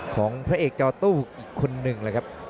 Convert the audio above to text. ของพระเอกจอตู้อีกคนนึงเลยครับ